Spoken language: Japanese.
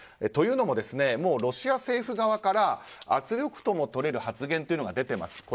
というのももうロシア政府側から圧力ともとれる発言が出ています。